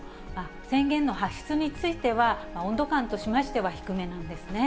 宣言の発出については、温度感としましては低めなんですね。